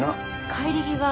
帰り際